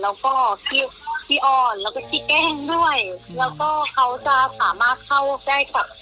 แล้วก็เค้าจะสามารถเข้าได้กับคนทุกคนเลยค่ะแล้วก็กับสัตว์ไม่ว่าจะสู่นักเล็กสู่นักใหญ่ก็คือเข้าได้หมดไม่ดุเลย